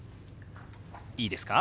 いいですか？